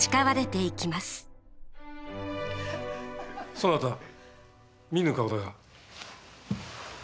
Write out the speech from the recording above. そなた見ぬ顔だが。